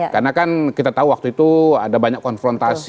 karena kan kita tahu waktu itu ada banyak konfrontasi